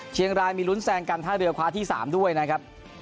เชียงรายมีลุ้นแซงกันท่าเรือคว้าที่๓ด้วยนะครับ